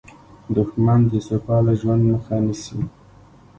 دښمن د سوکاله ژوند مخه نیسي